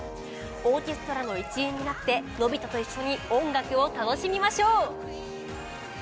オーケストラの一員になってのび太と一緒に音楽を楽しみましょう。